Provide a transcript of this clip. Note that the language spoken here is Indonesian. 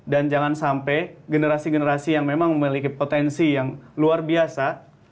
dan jangan sampai generasi generasi yang memang memiliki potensi yang luar biasa